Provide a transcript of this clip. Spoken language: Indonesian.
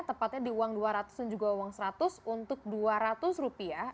tepatnya di uang dua ratus dan juga uang seratus untuk dua ratus rupiah